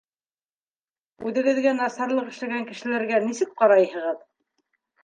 — Үҙегеҙгә насарлыҡ эшләгән кешеләргә нисек ҡарайһығыҙ?